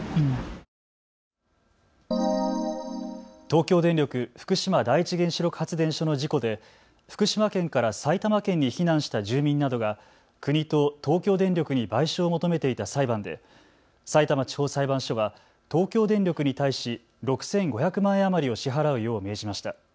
東京電力福島第一原子力発電所の事故で福島県から埼玉県に避難した住民などが国と東京電力に賠償を求めていた裁判でさいたま地方裁判所は東京電力に対し６５００万円余りを支払うよう命じました。